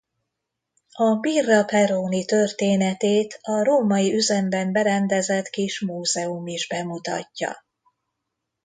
A Birra Peroni történetét a római üzemben berendezett kis múzeum is bemutatja.